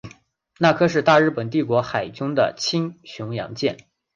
那珂是大日本帝国海军的轻巡洋舰。